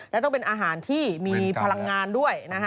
และต้องเป็นอาหารที่มีพลังงานด้วยนะฮะ